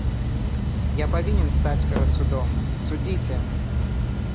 Я павінен стаць перад судом, судзіце!